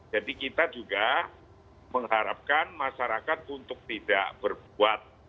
jadi kita juga mengharapkan masyarakat untuk tidak berbuat